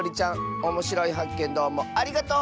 おもしろいはっけんどうもありがとう！